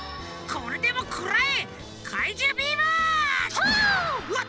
これでもくらえ！